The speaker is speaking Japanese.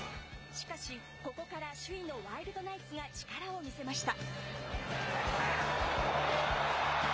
しかし、ここから首位のワイルドナイツが力を見せました。